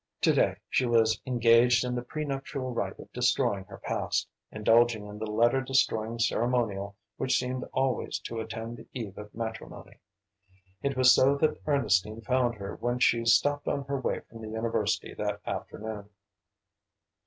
To day she was engaged in the pre nuptial rite of destroying her past, indulging in the letter destroying ceremonial which seems always to attend the eve of matrimony. It was so that Ernestine found her when she stopped on her way from the university that afternoon.